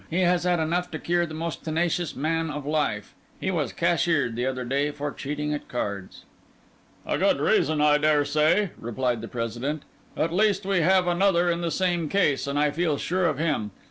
He has had enough to cure the most tenacious man of life. He was cashiered the other day for cheating at cards." "A good reason, I daresay," replied the President; "at least, we have another in the same case, and I feel sure of him.